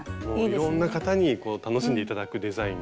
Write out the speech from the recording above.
いろんな方に楽しんで頂くデザインに。